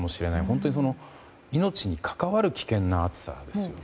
本当に命に関わる危険な暑さですよね。